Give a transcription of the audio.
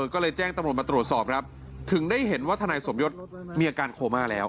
ก็เลยแจ้งตำรวจมาตรวจสอบครับถึงได้เห็นว่าทนายสมยศมีอาการโคม่าแล้ว